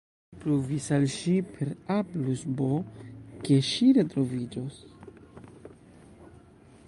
Mi pruvis al ŝi per A plus B, ke ŝi retroviĝos.